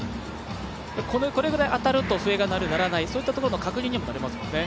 これぐらい当たると笛が鳴る、鳴らないという確認にもなりますよね。